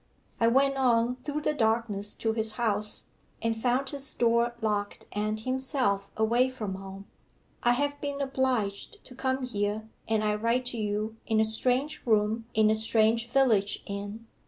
I went on through the darkness to his house, and found his door locked and himself away from home. I have been obliged to come here, and I write to you in a strange room in a strange village inn!